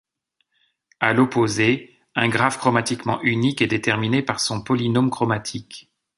À l'opposé, un graphe chromatiquement unique est déterminé par son polynôme chromatique.